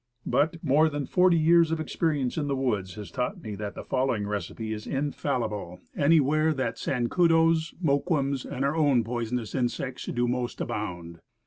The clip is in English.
But, more than forty years' experience in the woods has taught me that the following receipt is infallibly any where that sancudos, moqutms, or our own poisonous insects do most abound.